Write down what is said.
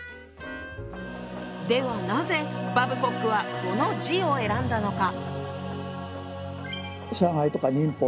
ではなぜバブコックはこの字を選んだのか？